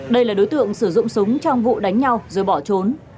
đây là đối tượng sử dụng súng trong vụ đánh nhau rồi bỏ trốn